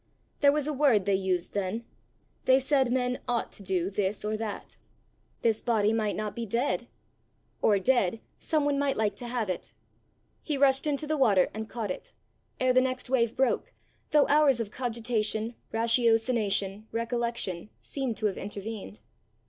There was a word they used then: they said men ought to do this or that! This body might not be dead or dead, some one might like to have it! He rushed into the water, and caught it ere the next wave broke, though hours of cogitation, ratiocination, recollection, seemed to have intervened.